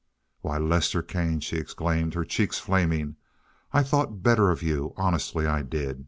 "Why, Lester Kane!" she exclaimed, her cheeks flaming. "I thought better of you, honestly I did.